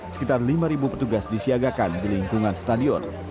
sekitar lima petugas disiagakan di lingkungan stadion